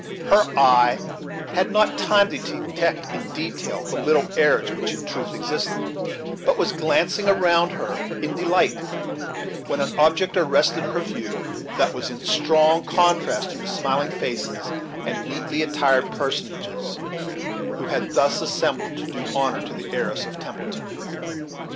Her eye had not time to detect, in detail, the little errors which in truth existed, but was glancing around her in delight, when an object arrested her view that was in strong contrast to the smiling faces and neatly attired person ages who had thus assembled to do honor to the heiress of Templeton.